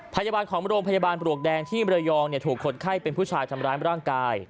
พยาบาลของโรงพยาบาลปลวกแดงที่มรยองถูกคนไข้เป็นผู้ชายทำร้ายร่างกาย